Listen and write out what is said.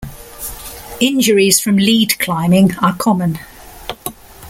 Injuries from lead climbing are common.